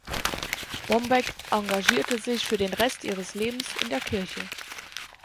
Bombeck engagierte sich für den Rest ihres Lebens in der Kirche.